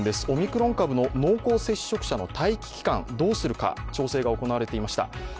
オミクロン株の濃厚接触者の待機期間、どうするか調整が行われていました。